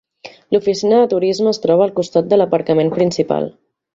L'oficina de turisme es troba al costat de l'aparcament principal.